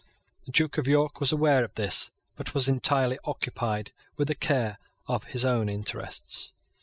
The Duke of York was aware of this, but was entirely occupied with the care of his own interests.